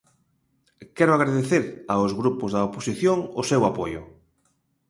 Quero agradecer aos grupos da oposición o seu apoio.